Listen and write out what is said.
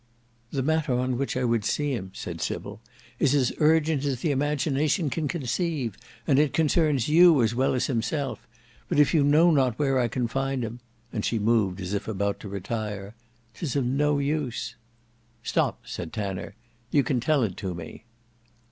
"The matter on which I would see him," said Sybil, "is as urgent as the imagination can conceive, and it concerns you as well as himself; but if you know not where I can find him"—and she moved as if about to retire—"'tis of no use." "Stop." said Tanner, "you can tell it to me."